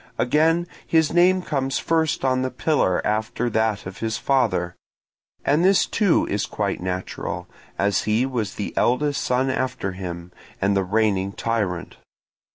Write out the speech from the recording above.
Again, his name comes first on the pillar after that of his father; and this too is quite natural, as he was the eldest after him, and the reigning tyrant.